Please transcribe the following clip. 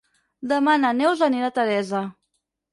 Demà na Neus anirà a Teresa.